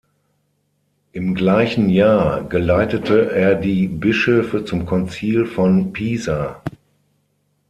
Im gleichen Jahr geleitete er die Bischöfe zum Konzil von Pisa.